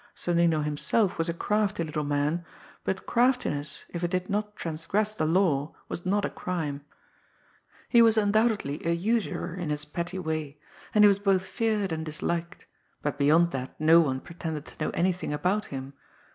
Sonnino himself was a crafty little man, but craftiness, if it did not transgress the law, was not a crime; he was undoubtedly a usurer in his petty way, and he was both feared and disliked, but beyond that no one pretended to know anything about him.